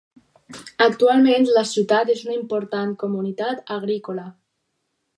Actualment, la ciutat és una important comunitat agrícola.